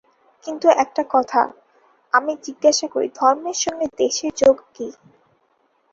কিন্তু একটা কথা আমি জিজ্ঞাসা করি– ধর্মের সঙ্গে দেশের যোগ কী?